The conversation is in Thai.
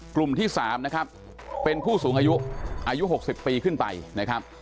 กลุ่มที่๓เป็นผู้สูงอายุ๖๐ปีขึ้นไปนะครับ